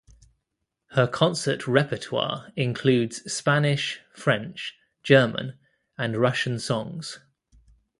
Her concert repertoire includes Spanish, French, German, and Russian songs.